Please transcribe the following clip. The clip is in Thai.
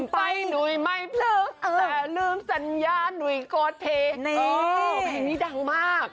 เพลงนี้ดังมาก